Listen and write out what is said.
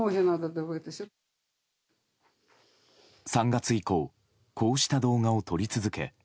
３月以降こうした動画を撮り続け